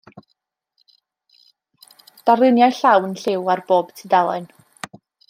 Darluniau llawn lliw ar bob tudalen.